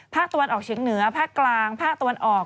ตะวันออกเฉียงเหนือภาคกลางภาคตะวันออก